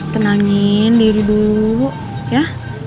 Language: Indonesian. tenangin diri dulu ya